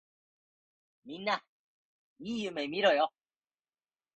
みんないい夢みろよ。